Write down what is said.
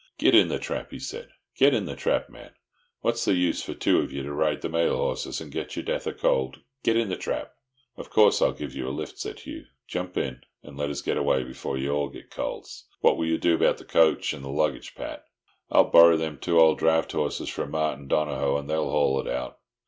"Get in the trap," he said. "Get in the trap, man. What's the use for two of ye to ride the mail horses, and get your death o' cold? Get in the trap!" "Of course I'll give you a lift," said Hugh. "Jump in, and let us get away before you all get colds. What will you do about the coach and the luggage, Pat?" "I'll borry them two old draught horses from Martin Donohoe, and they'll haul it out.